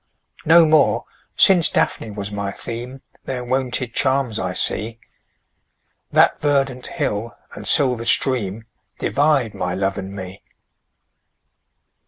No more, since Daphne was my theme, Their wonted charms I see: That verdant hill, and silver stream, Divide my love and me.